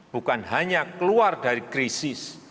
bukan hanya keluar dari krisis